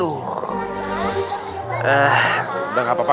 udah gak apa apa